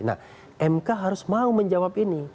nah mk harus mau menjawab ini